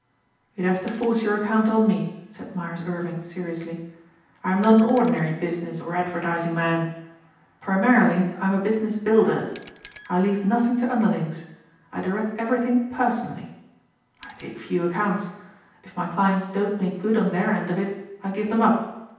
"You'd have to force your account on me," said Myers Irving seriously. "I'm not an ordinary business or advertising man. Primarily I'm a business builder. I leave nothing to underlings. I direct everything personally. I take few accounts. If my clients don't make good on their end of it I give them up.